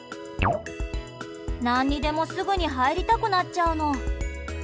何にでも、すぐに入りたくなっちゃうの。